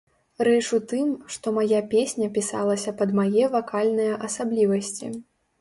Рэч у тым, што мая песня пісалася пад мае вакальныя асаблівасці.